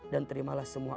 dan terimalah semua